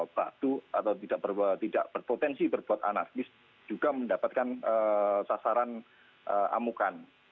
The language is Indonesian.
batuk atau tidak berpotensi berbuat anarkis juga mendapatkan sasaran amukan